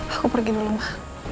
aku pergi dulu ma